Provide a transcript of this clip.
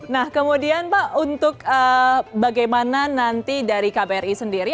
nah kemudian pak untuk bagaimana nanti dari kbri sendiri